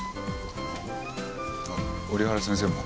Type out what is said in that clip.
あっ折原先生も。